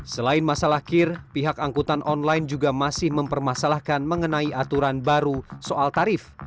selain masalah kir pihak angkutan online juga masih mempermasalahkan mengenai aturan baru soal tarif